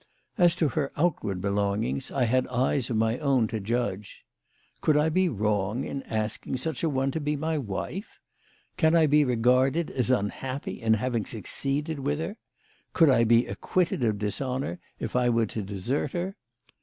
As to her outward belongings, I had eyes of my own to judge. Could I be wrong in asking such a one to be my wife ? Can I be regarded as un happy in having succeeded with her ? Could I be acquitted of dishonour if I were to desert her